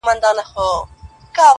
د ماهر فنکار د لاس مجسمه وه!